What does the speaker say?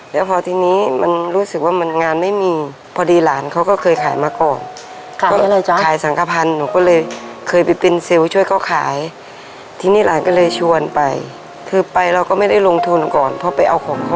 แล้วพอทีนี้มันรู้สึกว่ามันงานไม่มีพอดีหลานเขาก็เคยขายมาก่อนค่ะ